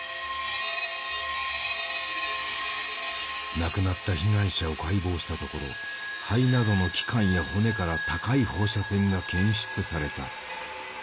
亡くなった被害者を解剖したところ肺などの器官や骨から高い放射線が検出された。